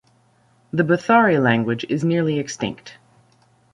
The Bathari language is nearly extinct.